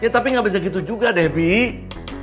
ya tapi gak bisa gitu juga debbie